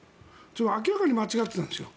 明らかに間違ってたんですよ。